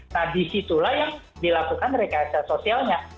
nah disitulah yang dilakukan rekayasa sosialnya